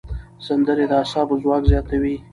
سندرې د اعصابو ځواک زیاتوي او فشار کموي.